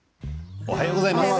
おはようございます。